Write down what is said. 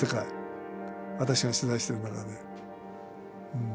私が取材してる中で。